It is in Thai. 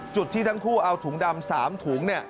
ที่ทั้งคู่เอาถุงดำ๓ถุง